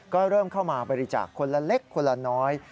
ก็เริ่มเข้ามาบริจาคคนละเล็กคนละน้อย